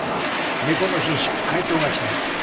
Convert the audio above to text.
猫の品種回答が来たよ。